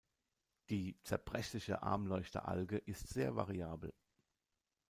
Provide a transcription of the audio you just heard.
Die Zerbrechliche Armleuchteralge ist sehr variabel.